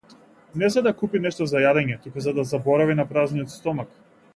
Не за да купи нешто за јадење, туку за да заборави на празниот стомак.